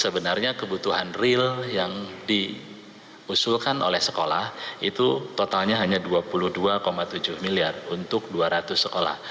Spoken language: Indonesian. sebenarnya kebutuhan real yang diusulkan oleh sekolah itu totalnya hanya dua puluh dua tujuh miliar untuk dua ratus sekolah